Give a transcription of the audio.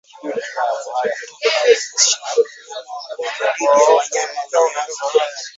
Kutenganisha wanyama wagonjwa dhidi ya wanyama wenye afya